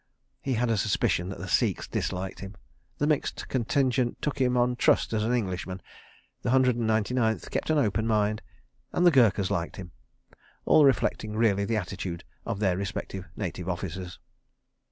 He had a suspicion that the Sikhs disliked him, the Mixed Contingent took him on trust as an Englishman, the Hundred and Ninety Ninth kept an open mind, and the Gurkhas liked him—all reflecting really the attitude of their respective Native Officers.